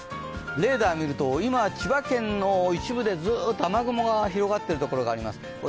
レーダー見ると、今千葉県の一部でずっと雨雲が広がっているところがあります。